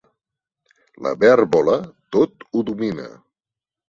La vèrbola tot ho domina.